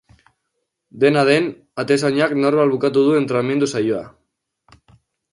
Dena den, atezainak normal bukatu du entrenamendu-saioa.